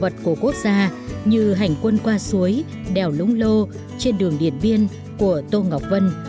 bảo vật của quốc gia như hành quân qua suối đèo lúng lô trên đường điện biên của tô ngọc vân